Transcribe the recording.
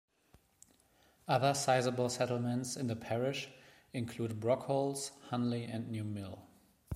Other sizeable settlements in the parish include, Brockholes, Honley and New Mill.